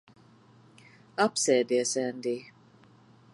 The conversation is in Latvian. Apsēdies, Endij.